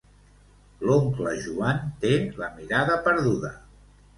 L'oncle Joan té la mirada perduda.